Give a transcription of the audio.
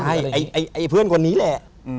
ใช่ไอ้เพื่อนคนนี้แหละ